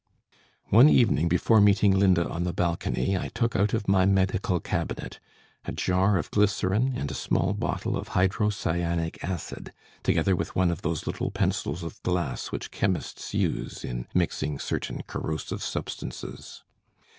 "One evening before meeting Linda on the balcony, I took out of my medical cabinet a jar of glycerin and a small bottle of hydrocyanic acid, together with one of those little pencils of glass which chemists use in mixing certain corrosive substances.